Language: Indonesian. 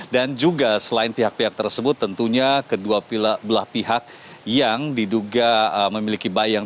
dan juga selain pihak pihak tersebut tentunya kedua belah pihak yang diduga memiliki bayang